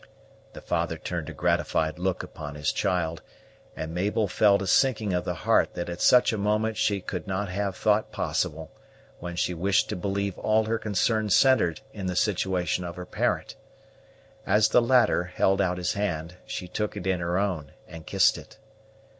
The father turned a gratified look upon his child; and Mabel felt a sinking of the heart that at such a moment she could not have thought possible, when she wished to believe all her concern centred in the situation of her parent. As the latter held out his hand, she took it in her own and kissed it.